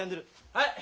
はい！